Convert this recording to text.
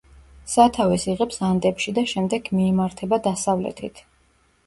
სათავეს იღებს ანდებში და შემდეგ მიემართება დასავლეთით.